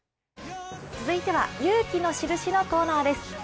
続いては「勇気のシルシ」のコーナーです。